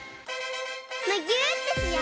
むぎゅーってしよう！